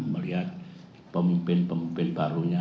melihat pemimpin pemimpin barunya